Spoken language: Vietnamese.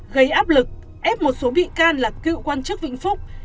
gây áp lực ép một số bị can là cựu quan chức vĩnh phúc